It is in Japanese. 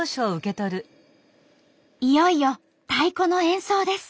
いよいよ太鼓の演奏です。